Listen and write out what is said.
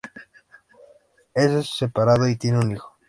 Es separado y tiene un hijo.